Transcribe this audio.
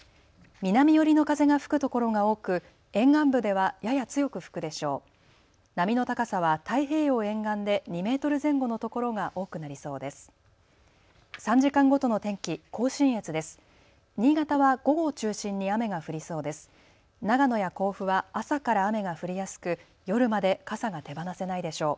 南寄りの風が吹く所が多く沿岸部ではやや強く吹くでしょう。